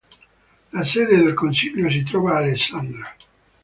La sede del consiglio si trova a Alexandra.